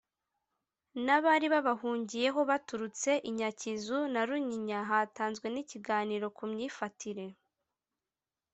n abari babahungiyeho baturutse i Nyakizu na Runyinya Hatanzwe n ikiganiro kumyifatire